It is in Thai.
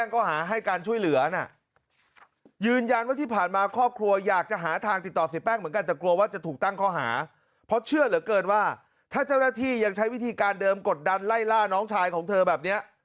การเดิมกดดันไล่ล่าน้องชายของเธอแบบเนี้ย